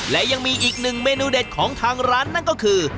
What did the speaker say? และยังมีอีกหนึ่งเมนูเด็ดของทางร้านนั่นก็คือ